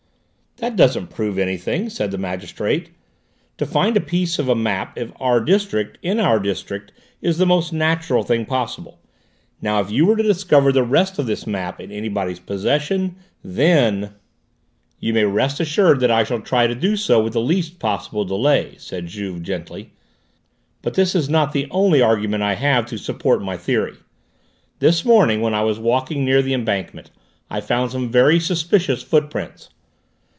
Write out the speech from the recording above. "That doesn't prove anything," said the magistrate. "To find a piece of a map of our district in our district is the most natural thing possible. Now if you were to discover the rest of this map in anybody's possession, then " "You may rest assured that I shall try to do so with the least possible delay," said Juve gently. "But this is not the only argument I have to support my theory. This morning, when I was walking near the embankment, I found some very suspicious footprints.